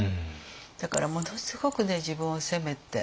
だからものすごく自分を責めて。